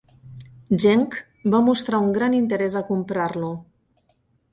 Genk va mostrar un gran interès a comprar-lo.